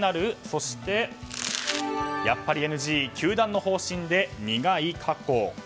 そして、やっぱりＮＧ球団の方針で苦い過去。